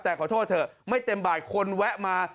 แต่ขอโทษเถอะไม่เต็มบ่ายคนแวะมา